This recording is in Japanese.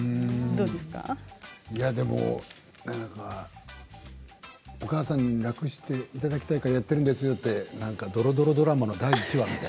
でもお義母さんに楽していただきたいからやっているんですよって、なんかどろどろドラマの第１話みたい。